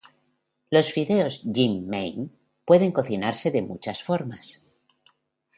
Los fideos "yi mein" pueden cocinarse de muchas formas.